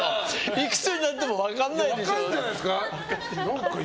いくつになっても分からないでしょ。